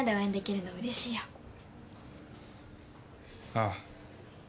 ああ。